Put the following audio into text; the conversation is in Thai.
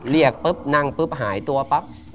เรียกปุ๊บนั่งปุ๊บหายตัวปั๊บ